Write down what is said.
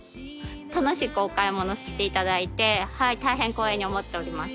楽しくお買い物していただいて大変光栄に思っております。